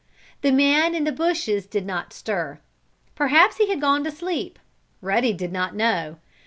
The man in the bushes did not stir. Perhaps he had gone to sleep. Ruddy did not know.